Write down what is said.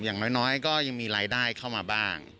อย่างน้อยก็ยังมีรายได้เข้ามาบ้าง